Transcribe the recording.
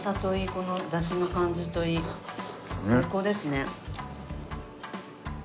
このダシの感じといい最高ですね。